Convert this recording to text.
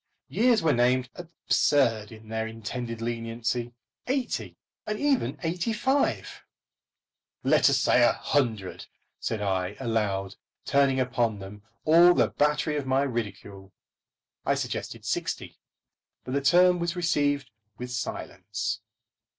Years were named absurd in their intended leniency; eighty and even eighty five! Let us say a hundred, said I, aloud, turning upon them all the battery of my ridicule. I suggested sixty; but the term was received with silence.